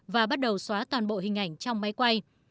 và bắt đầu xóa toàn bộ hình ảnh trong máy quay